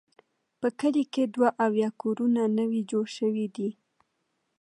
په کلي کې دوه اویا کورونه نوي جوړ شوي دي.